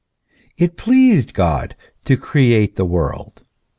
" It has pleased God" to create a world.